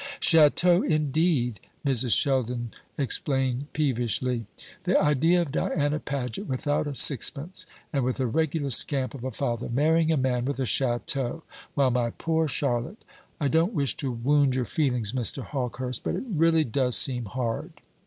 "Chateau, indeed!" Mrs. Sheldon exclaimed peevishly. "The idea of Diana Paget, without a sixpence, and with a regular scamp of a father, marrying a man with a chateau, while my poor Charlotte ! I don't wish to wound your feelings, Mr. Hawkehurst, but it really does seem hard."